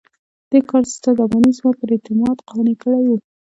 دې کار استاد رباني زما پر اعتماد قانع کړی وو.